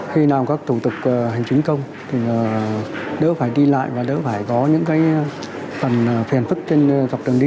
khi nào các thủ tục hành chính công thì đỡ phải đi lại và đỡ phải có những cái phần phiền phức trên dọc đường đi